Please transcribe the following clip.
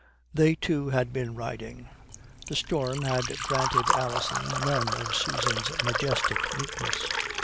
They too had been riding. The storm had granted Alison none of Susan's majestic neatness.